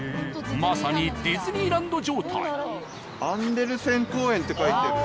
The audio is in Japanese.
まさにディズニーランド状態。って書いてる。